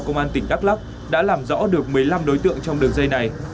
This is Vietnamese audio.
công an tỉnh đắk lắc đã làm rõ được một mươi năm đối tượng trong đường dây này